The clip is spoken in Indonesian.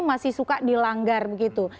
masih suka dilanggar begitu